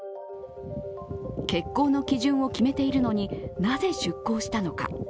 欠航の基準を決めているのになぜ、出航したのか。